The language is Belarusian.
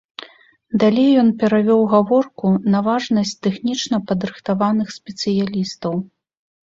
Далей ён перавёў гаворку на важнасць тэхнічна падрыхтаваных спецыялістаў.